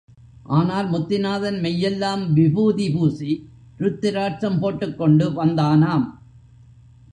ஆனால் முத்திநாதன் மெய்யெல்லாம் விபூதி பூசி, ருத்திராட்சம் போட்டுக் கொண்டு வந்தானாம்.